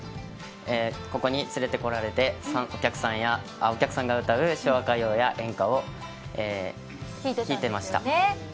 ここに連れてこられてお客さんが歌う昭和歌謡や演歌を聴いてました。